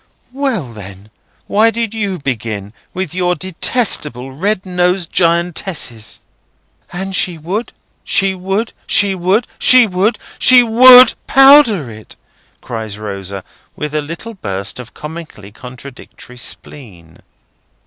"Well then, why did you begin with your detestable red nosed giantesses? And she would, she would, she would, she would, she WOULD powder it!" cries Rosa, in a little burst of comical contradictory spleen.